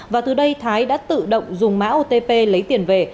và từ đây thái đã tự động dùng mã otp lấy tiền về